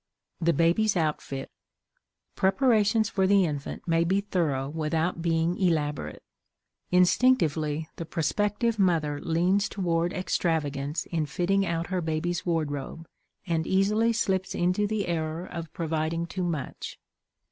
THE BABY'S OUTFIT. Preparations for the infant may be thorough without being elaborate. Instinctively, the prospective mother leans toward extravagance in fitting out her baby's wardrobe, and easily slips into the error of providing too much.